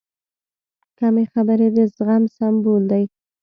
کمې خبرې، د زغم سمبول دی.